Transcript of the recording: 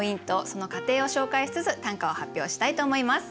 その過程を紹介しつつ短歌を発表したいと思います。